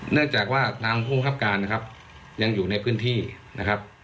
เนื่องจากว่าทางผู้บังคับการนะครับยังอยู่ในพื้นที่นะครับ